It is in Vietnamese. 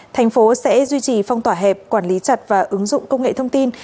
thành phố sẽ duy trì phong tỏa hẹp quản lý chặt và ứng dụng công nghệ thông tin